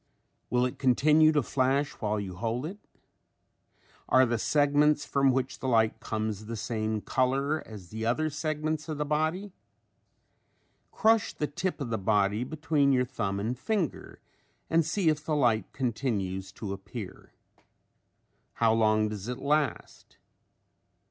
Will it continue to flash while you hold it? Are the segments from which the light comes the same color as the other segments of the body? Crush the tip of the body between your thumb and finger and see if the light continues to appear. How long does it last?